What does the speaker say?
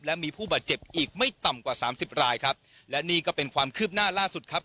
และมีผู้บาดเจ็บอีกไม่ต่ำกว่าสามสิบรายครับและนี่ก็เป็นความคืบหน้าล่าสุดครับ